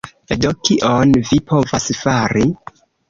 Do, kion vi povas fari?